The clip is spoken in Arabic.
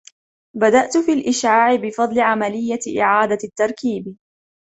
بدأت في الإشعاع بفضل عملية إعادة التركيب